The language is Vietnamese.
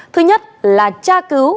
thứ nhất là tra cứu